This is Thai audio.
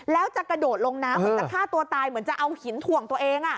แล้วจะกระโดดลงน้ำเหมือนจะฆ่าตัวตายเหมือนจะเอาหินถ่วงตัวเอง